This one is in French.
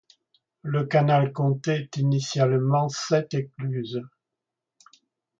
Le canal comptait initialement sept écluses.